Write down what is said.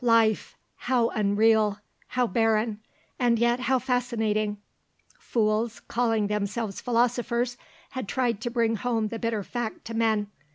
Life, how unreal, how barren, and yet, how fascinating! Fools, calling themselves philosophers, had tried to bring home the bitter fact to men.